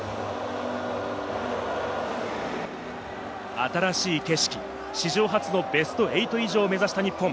新しい景色、史上初のベスト８以上を目指した日本。